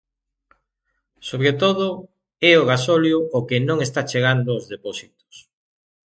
Sobre todo, é o gasóleo o que non está chegando aos depósitos.